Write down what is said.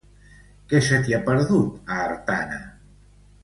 Què se t'hi ha perdut, a Artana?